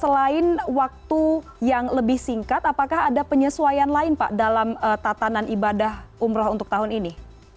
selain waktu yang lebih singkat apakah ada penyesuaian lain pak dalam tatanan ibadah umroh untuk tahun ini